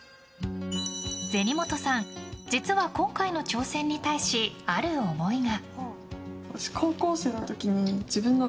銭本さん、実は今回の挑戦に対しある思いが。